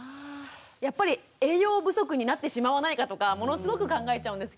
やっぱり栄養不足になってしまわないかとかものすごく考えちゃうんですけど。